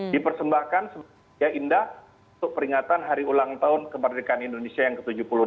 dipersembahkan sebagai indah untuk peringatan hari ulang tahun kemerdekaan indonesia yang ke tujuh puluh enam